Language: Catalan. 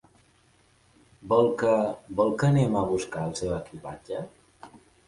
Vol que, vol que anem a buscar el seu equipatge?